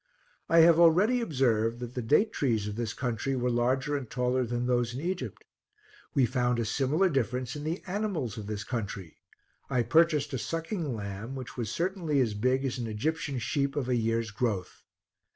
I have already observed, that the date trees of this country were larger and taller than those in Egypt. We found a similar difference in the animals of this country; I purchased a sucking lamb, which was certainly as big as an Egyptian sheep of a year's growth.